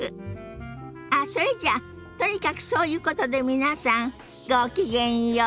あっそれじゃとにかくそういうことで皆さんごきげんよう。